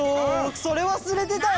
それわすれてたよ！